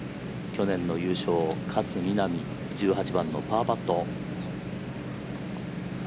去年の優勝、勝みなみ１８番のパーパット。